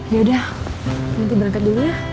yaudah nanti berangkat dulu ya